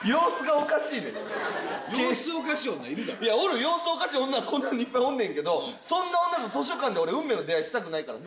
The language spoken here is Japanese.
おかしい女はこの世にいっぱいおんねんけどそんな女と図書館で俺運命の出会いしたくないからさ。